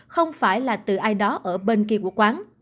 không phải là từ ai đó ở bên kia của quán